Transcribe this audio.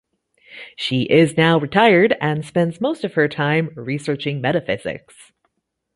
She is now retired, and spends most of her time researching metaphysics.